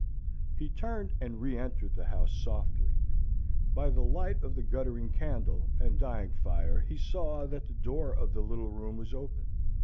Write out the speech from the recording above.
He turned and re entered the house softly. By the light of the guttering candle and dying fire he saw that the door of the little room was open.